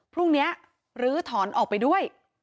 พรุ่งนี้ลื้อถอนออกไปด้วย